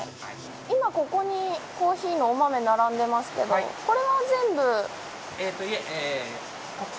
今、ここにコーヒーのお豆並んでますけどこれは全部。